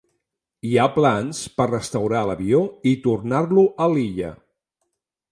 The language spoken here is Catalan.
Hi ha plans per restaurar l'avió i tornar-lo a l'illa.